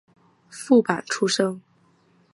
副榜出身。